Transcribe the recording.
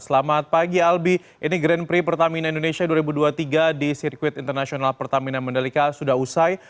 selamat pagi albi ini grand prix pertamina indonesia dua ribu dua puluh tiga di sirkuit internasional pertamina mandalika sudah usai